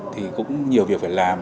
thì cũng nhiều việc phải làm